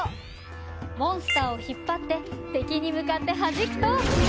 モンスターを引っ張って敵に向かってはじくと。